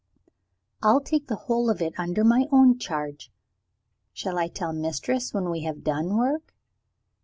"I'll take the whole of it under my own charge. Shall I tell Mistress, when we have done work?"